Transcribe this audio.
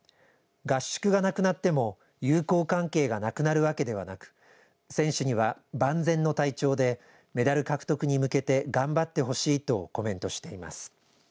合宿がなくなっても友好関係がなくなるわけではなく選手には万全の体調でメダル獲得に向けて頑張ってほしいとコメントしています。